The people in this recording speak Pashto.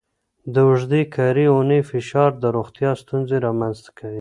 د اوږدې کاري اونۍ فشار د روغتیا ستونزې رامنځته کوي.